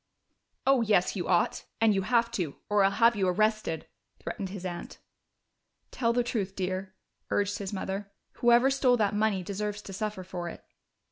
"Oh yes, you ought! And you have to, or I'll have you arrested," threatened his aunt. "Tell the truth, dear," urged his mother. "Whoever stole that money deserves to suffer for it."